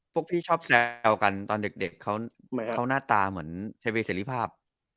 พวกพี่ชอบแซวกันตอนเด็กเขาหน้าตาเหมือนเทเวเสร็จภาพ